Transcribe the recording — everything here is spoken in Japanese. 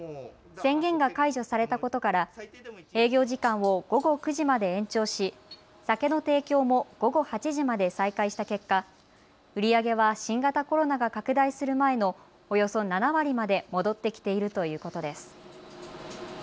宣言が解除されたことから営業時間を午後９時まで延長し酒の提供も午後８時まで再開した結果、売り上げは新型コロナが拡大する前のおよそ７割まで戻ってきているということです。